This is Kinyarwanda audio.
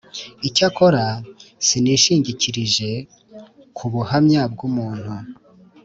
Icyakora sinishingikirije ku buhamya bw umuntu